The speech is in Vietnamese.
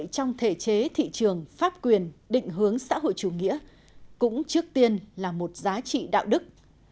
và các pháp quyền định hướng xã hội chủ nghĩa cũng trước tiên là một giá trị đạo đức